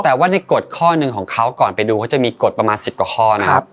แต่ว่าในกฎข้อหนึ่งของเขาก่อนไปดูเขาจะมีกฎประมาณ๑๐กว่าข้อนะครับ